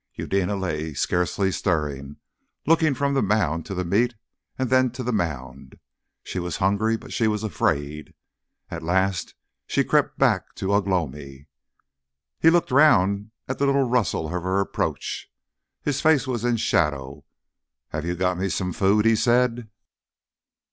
Eudena lay scarcely stirring, looking from the mound to the meat and then to the mound. She was hungry, but she was afraid. At last she crept back to Ugh lomi. He looked round at the little rustle of her approach. His face was in shadow. "Have you got me some food?" he said.